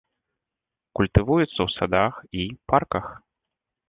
Культывуюцца ў садах і парках.